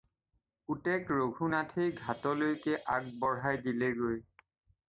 পুতেক ৰঘুনাথেই ঘাটলৈকে আগবঢ়াই দিলেগৈ।